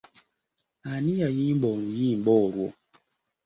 Ani yayimba oluyimba olwo?